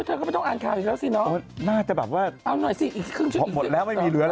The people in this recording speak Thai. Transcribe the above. เธอก็ไม่ต้องอ่านข่าวอีกแล้วสิ